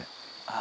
あ。